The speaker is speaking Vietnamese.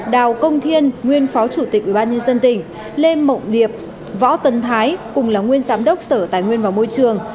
đào công thiên nguyên phó chủ tịch ủy ban nhân dân tỉnh lê mộng điệp võ tân thái cùng là nguyên giám đốc sở tài nguyên và môi trường